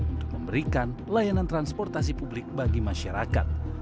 untuk memberikan layanan transportasi publik bagi masyarakat